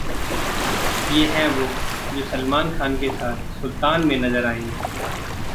ये हैं वो जो सलमान खान के साथ 'सुल्तान' में नजर आएंगे